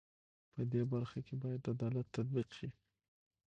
په دې برخه کې بايد عدالت تطبيق شي.